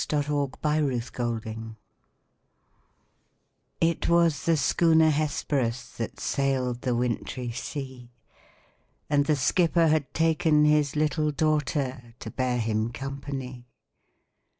THE WRECK OF THE HESPERUS It was the schooner Hesperus, That sailed the wintry sea; And the skipper had taken his little daughter, To bear him company.